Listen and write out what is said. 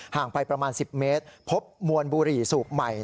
ห่างไปประมาณ๑๐เมตรพบมวลบุหรี่สูบใหม่